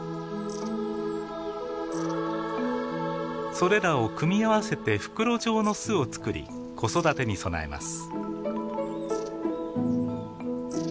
それらを組み合わせて袋状の巣をつくり子育てに備えます。